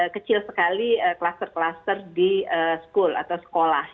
kecil sekali klaster klaster di sekolah